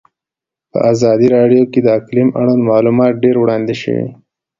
په ازادي راډیو کې د اقلیم اړوند معلومات ډېر وړاندې شوي.